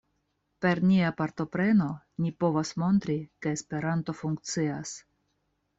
Per nia partopreno, ni povas montri ke Esperanto funkcias.